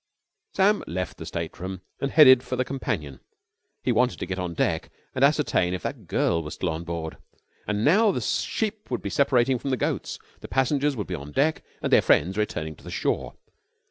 Sam left the state room and headed for the companion. He wanted to get on deck and ascertain if that girl was still on board. About now the sheep would be separating from the goats: the passengers would be on deck and their friends returning to the shore.